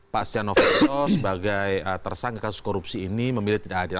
pak setia novanto sebagai tersangka kasus korupsi ini memilih tidak hadir